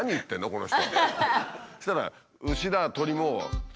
この人。